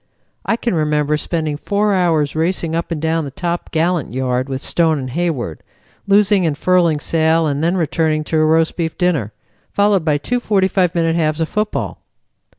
I can remember spending four hours racing up and down the top gallant yard with Stone and Hayward, loosing and furling sail, and then returning to a roast beef dinner, followed by two 45 minute halves of football.